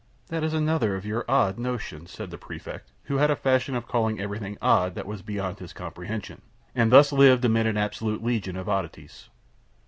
"That is another of your odd notions," said the Prefect, who had the fashion of calling everything "odd" that was beyond his comprehension, and thus lived amid an absolute legion of "oddities."